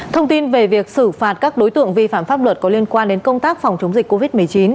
thông tin về việc xử phạt các đối tượng vi phạm pháp luật có liên quan đến công tác phòng chống dịch covid một mươi chín